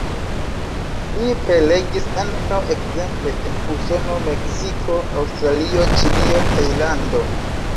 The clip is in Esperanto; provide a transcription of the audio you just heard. Li prelegis ankaŭ ekzemple en Usono, Meksiko, Aŭstralio, Ĉinio, Tajlando.